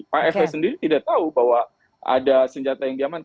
pak fs sendiri tidak tahu bahwa ada senjata yang diamankan